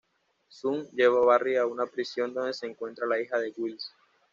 Zoom lleva a Barry a una prisión donde se encuentra la hija de Wells.